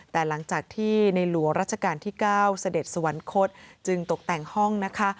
แต่หลังจากที่ในหลวงราชการที่๙เสด็จสวรรคตจึงตกแต่งห้องนะคะ